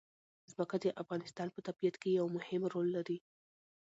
ځمکه د افغانستان په طبیعت کې یو مهم رول لري.